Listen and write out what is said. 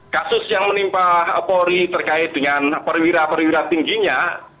kasus yang menimpa polri terkait dengan perwira perwira tingginya